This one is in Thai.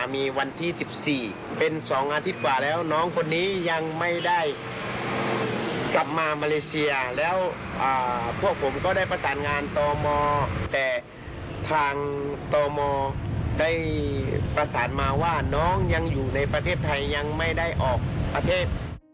มีประสานมาว่าน้องยังอยู่ในประเทศไทยยังไม่ได้ออกประเทศ